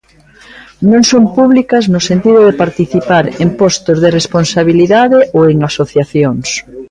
Non son públicas no sentido de participar en postos de responsabilidade ou en asociacións.